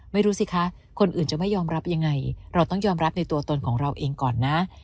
ไม่รู้สิคะคนอื่นจะไม่ยอมรับยังไงเราต้องยอมรับในตัวตนของเราเองก่อนนะ